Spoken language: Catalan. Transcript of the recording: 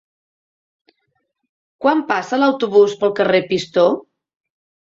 Quan passa l'autobús pel carrer Pistó?